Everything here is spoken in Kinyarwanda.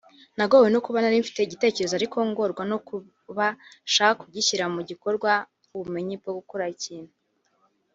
nagowe no kuba nari mfite igitekerezo ariko ngorwa no kubasha kubishyira mu bikorwa nk’ubumenyi bwo gukora ikintu